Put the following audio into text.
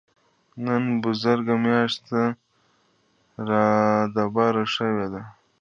نن بزرګه مياشت رادبره شوې ده.